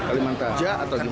kalimantan aja atau gimana